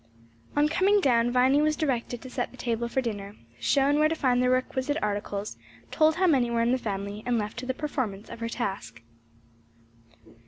On coming down, Viny was directed to set the table for dinner, shown where to find the requisite articles, told how many were in the family, and left to the performance of her task.